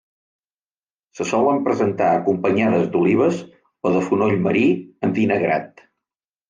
Se solen presentar acompanyades d'olives o de fonoll marí envinagrat.